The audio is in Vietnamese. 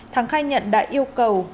thắng khai nhận đã yêu cầu